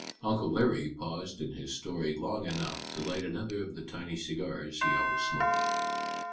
Uncle Larry paused in his story long enough to light another of the tiny cigars he always smoked.